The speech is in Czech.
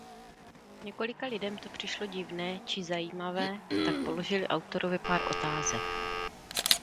Několika lidem to přišlo divné či zajímavé tak položili autorovi pár otázek.